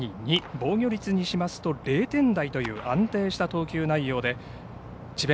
防御率にしますと０点台という安定した投球内容で智弁